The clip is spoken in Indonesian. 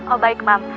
oh baik mam